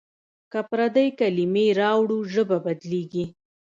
که پردۍ کلمې راوړو ژبه بدلېږي.